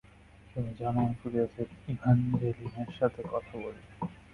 তুমি জানো, আমি প্রতি রাতে ইভ্যাঞ্জেলিনের সাথে কথা বলি।